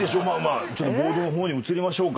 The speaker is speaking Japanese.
ボードの方に移りましょうか。